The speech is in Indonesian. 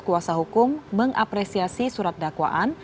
kuasa hukum mengapresiasi surat dakwaan